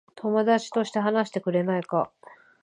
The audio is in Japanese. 友達として話してくれないか。